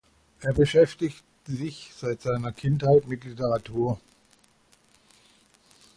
Er beschäftigt sich seit seiner Kindheit mit Literatur.